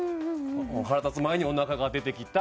「腹立つ前にお腹が出てきた」